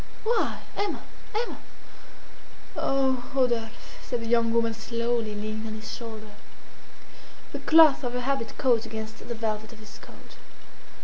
"Why? Emma! Emma!" "Oh, Rodolphe!" said the young woman slowly, leaning on his shoulder. The cloth of her habit caught against the velvet of his coat.